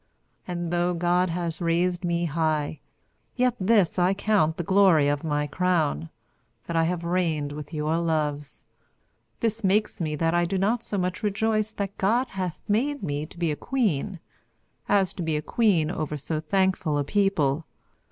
And, though God hath raised me high, yet this I count the glory of my Crown, that I have reigned with your loves. This makes me that I do not so much rejoice that God hath made me to be a Queen, as to be a Queen over so thankful a people.